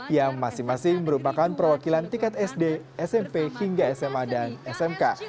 yang masing masing merupakan perwakilan tingkat sd smp hingga sma dan smk